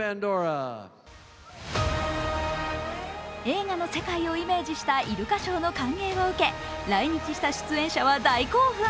映画の世界をイメージしたイルカショーの歓迎を受け来日した出演者は大興奮。